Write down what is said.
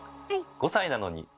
５歳なのにあら！